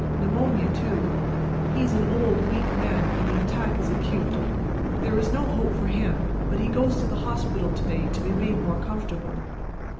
Pneumonia, too. He is an old, weak man, and the attack is acute. There is no hope for him; but he goes to the hospital to day to be made more comfortable."